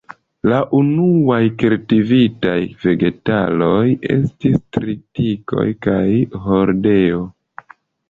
La unuaj kultivitaj vegetaloj estis tritiko kaj hordeo.